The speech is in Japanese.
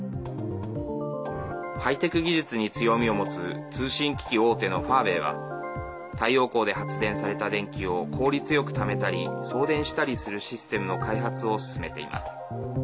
ハイテク技術に強みを持つ通信機器大手のファーウェイは太陽光で発電された電気を効率よくためたり送電したりするシステムの開発を進めています。